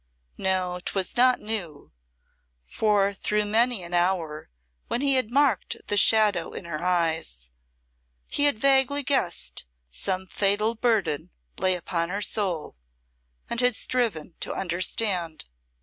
No, 'twas not new, for through many an hour when he had marked the shadow in her eyes he had vaguely guessed some fatal burden lay upon her soul and had striven to understand.